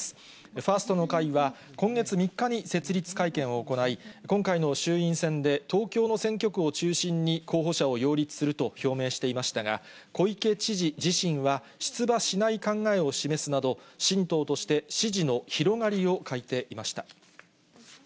ファーストの会は今月３日に設立会見を行い、今回の衆院選で東京の選挙区を中心に候補者を擁立すると表明していましたが、小池知事自身は出馬しない考えを示すなど、新党として支持の広がりを欠いていました。